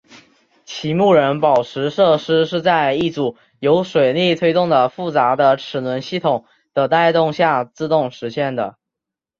其木人宝石设施是在一组由水力推动的复杂的齿轮系统的带动下自动实现的。